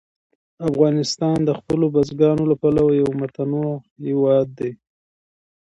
افغانستان د خپلو بزګانو له پلوه یو متنوع هېواد دی.